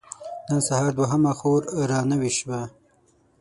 نن سهار دوهمه خور را نوې شوه.